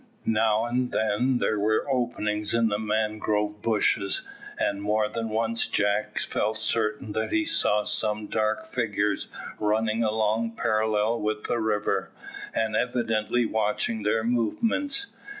Now and then there were openings in the mangrove bushes, and more than once Jack felt certain that he saw some dark figures running along parallel with the river, and evidently watching their movements.